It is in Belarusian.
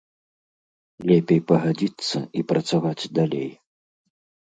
Лепей пагадзіцца і працаваць далей.